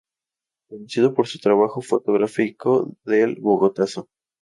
Conocido por su trabajo fotográfico del Bogotazo.